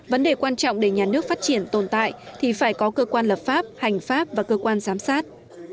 vấn đề quan trọng để nhà nước phát triển tồn tại thì phải có cơ quan lập pháp hành pháp và cơ quan giám sát